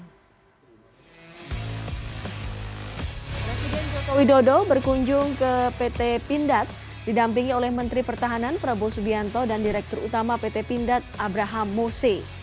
presiden jokowi dodo berkunjung ke pt pindad didampingi oleh menteri pertahanan prabowo subianto dan direktur utama pt pindad abraham mose